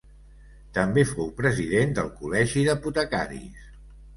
També fou president del Col·legi d'Apotecaris.